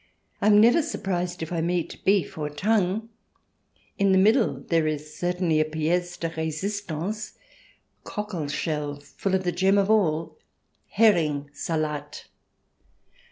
I am never surprised if I meet beef or tongue. In the middle there is certainly a piece de resistance^ a cockle shell full of the gem of all, HSring Salat.